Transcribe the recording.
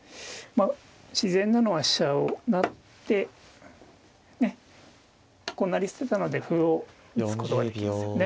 自然なのは飛車を成ってねこう成り捨てたので歩を打つことができますよね。